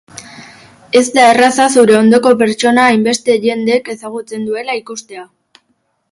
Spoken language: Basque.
Ez da erraza zure ondoko pertsona hainbeste jendek ezagutzen duela ikustea.